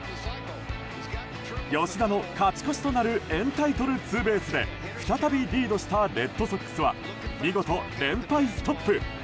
吉田の勝ち越しとなるエンタイトルツーベースで再びリードしたレッドソックスは見事、連敗ストップ。